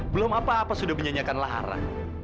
belum apa apa sudah menyanyikan lara